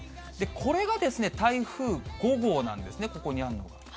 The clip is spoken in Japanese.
これが台風５号なんですね、ここにあるのが。